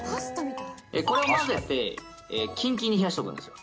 これを混ぜて、きんきんに冷やしておくんですよ。